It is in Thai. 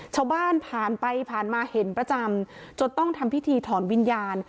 ชาวบ้านผ่านไปผ่านมาเห็นประจำจนต้องทำพิธีถอนวิญญาณ